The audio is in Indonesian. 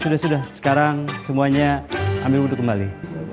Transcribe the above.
sudah sudah sekarang semuanya ambil wudhu kembali